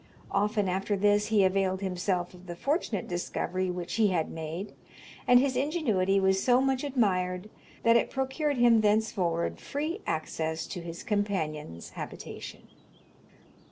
Often after this he availed himself of the fortunate discovery which he had made, and his ingenuity was so much admired that it procured him thenceforward free access to his companion's habitation.